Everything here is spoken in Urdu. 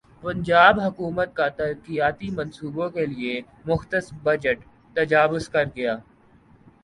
پنجاب حکومت کا ترقیاتی منصوبوں کیلئےمختص بجٹ تجاوزکرگیا